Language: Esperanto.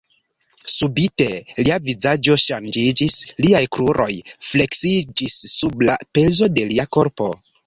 Subite lia vizaĝo ŝanĝiĝis; liaj kruroj fleksiĝis sub la pezo de lia korpo.